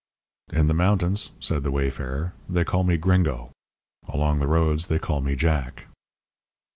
"In the mountains," said the wayfarer, "they call me Gringo. Along the roads they call me Jack."